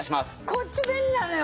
こっち便利なのよ！